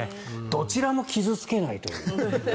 どちらも傷付けないという。